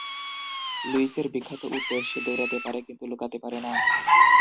লুইসের বিখ্যাত উত্তর: সে দৌড়াতে পারে, কিন্তু লুকাতে পারে না।